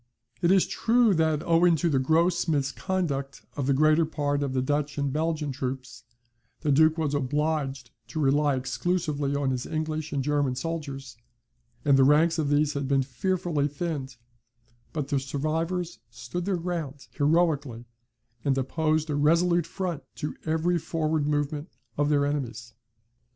It is true that, owing to the gross misconduct of the greater part of the Dutch and Belgian troops, the Duke was obliged to rely exclusively on his English and German soldiers, and the ranks of these had been fearfully thinned; but the survivors stood their ground heroically, and opposed a resolute front to every forward movement of their enemies.